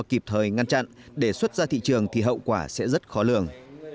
kịp thời ngăn chặn để xuất ra thị trường thì hậu quả sẽ rất khó lường